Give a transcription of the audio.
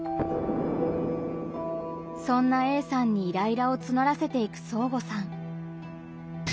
そんなＡさんにイライラをつのらせていくそーごさん。